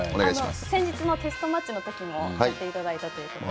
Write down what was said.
先日のテストマッチの時もやっていただいたということで。